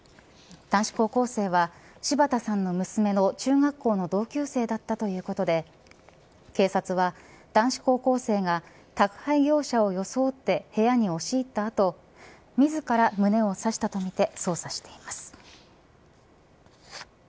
男子高校生は、柴田さんの娘の中学校の同級生だったということで警察は、男子高校生が宅配業者を装って部屋に押し入った後自ら胸を刺したとみて捜査しています。